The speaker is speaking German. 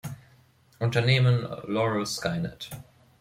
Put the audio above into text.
Unternehmen Loral Skynet.